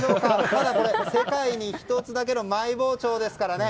ただ、これ世界に１つだけのマイ包丁ですからね